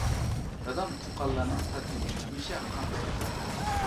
دادام تۇغقانلارنىڭ تەلىپىنى ھەمىشە قاندۇرۇپ تۇراتتى.